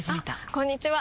あこんにちは！